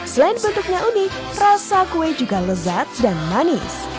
selain bentuknya unik rasa kue juga lezat dan manis